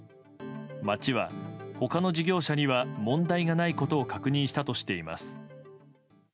町は他の事業者には問題がないことを確認したとしています。